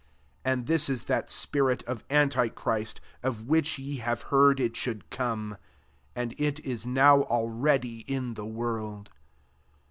And this is that a/drif of anti christ, of which ye have heard it should come ; and it is now already in the world.